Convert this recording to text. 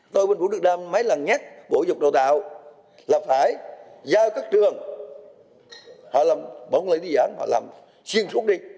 tôi bên vũ đức đam mấy lần nhét bộ dục đồ tạo là phải giao các trường họ làm bóng lấy đi dạng họ làm xiên xuống đi